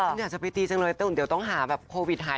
อ๋อฉันอยากจะไปตีจังเลยแต่อุ่นเดียวต้องหาแบบโควิดหาย